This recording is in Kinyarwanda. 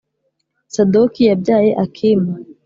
Sadoki yabyaye Akimu